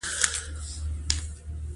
• مینه د زړۀ درزا ده.